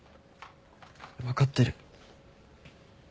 わかってる。